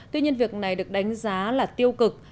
tuy nhiên việc này được đánh giá là tiêu cực